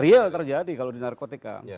real terjadi kalau di narkotika